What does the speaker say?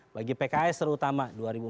bagi pks terutama